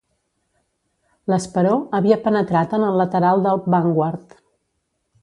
L'esperó havia penetrat en el lateral del "Vanguard".